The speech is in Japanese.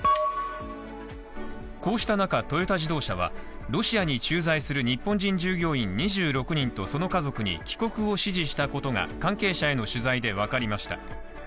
こうした中、トヨタ自動車はロシアに駐在する日本人従業員２６人とその家族に帰国を指示したことが関係者への取材で分かりました。